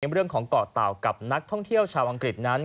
เรื่องของเกาะเต่ากับนักท่องเที่ยวชาวอังกฤษนั้น